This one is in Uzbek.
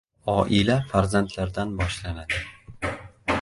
Oila farzandlardan boshlanadi.